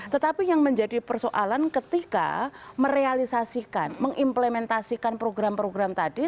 tetapi yang menjadi persoalan ketika merealisasikan mengimplementasikan program program tadi